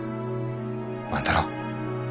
万太郎。